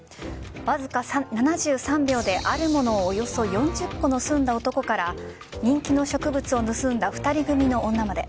わずか７３秒であるものをおよそ４０個盗んだ男から人気の植物を盗んだ２人組の女まで。